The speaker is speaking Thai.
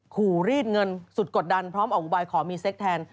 รีดเงินสุดกดดันพร้อมออกอุบายขอมีเซ็กแทน